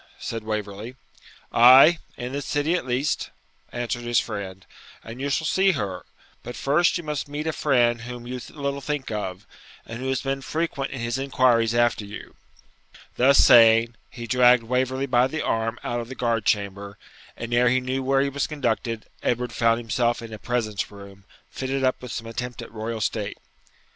said Waverley. 'Ay, in this city at least,' answered his friend, 'and you shall see her; but first you must meet a friend whom you little think of, who has been frequent in his inquiries after you.' Thus saying, he dragged Waverley by the arm out of the guard chamber, and, ere he knew where he was conducted, Edward found himself in a presence room, fitted up with some attempt at royal state.